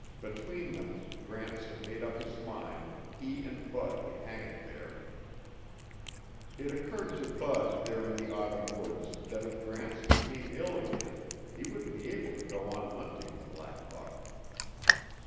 Between them, Gramps had made up his mind, he and Bud would hang it there. It occurred to Bud there in the autumn woods that if Gramps became ill again, he wouldn't be able to go on hunting the black buck.